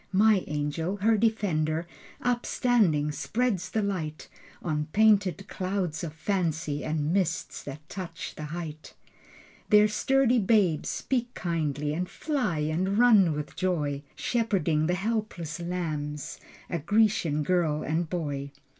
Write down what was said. My angel, her defender Upstanding, spreads the light On painted clouds of fancy And mists that touch the height. Their sturdy babes speak kindly And fly and run with joy, Shepherding the helpless lambs A Grecian girl and boy.